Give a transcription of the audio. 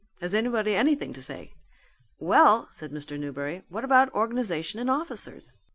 Has anybody anything to say?" "Well," said Mr. Newberry, "what about organization and officers?"